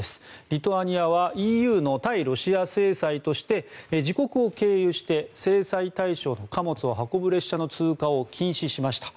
リトアニアはＥＵの対ロシア制裁として自国を経由して制裁対象の貨物を運ぶ列車の通過を禁止しました。